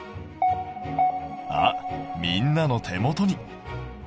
あっみんなの手元に。